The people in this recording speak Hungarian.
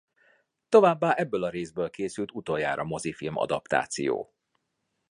Továbbá ebből a részből készült utoljára mozifilm adaptáció.